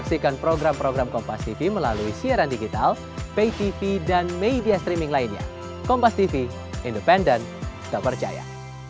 ketika kita melakukan tanggung jawab yang mempersatukan indonesia